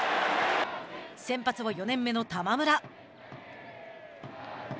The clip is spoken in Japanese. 先発は４年目の玉村。